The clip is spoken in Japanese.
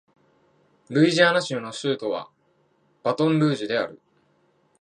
ルイジアナ州の州都はバトンルージュである